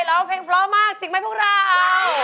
เรียกล้อเลี่ยงพร้อมมากจริงไหมพวกเรา